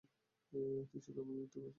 তুই শুধু আমায় বিরক্ত করছিস।